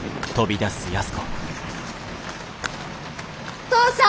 お父さん？